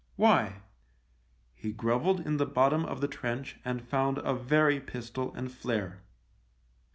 Why ? He grovelled in the bottom of the trench and found a Very pistol and flare.